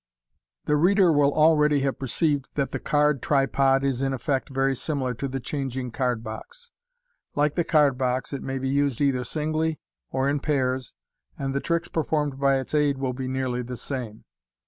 The reader will already have perceived that the card tripod is, in effect, very similar to the changing card box. Like the card box, it may be used either singly or in pairs, and the tricks performed by its aid will be nearly the same.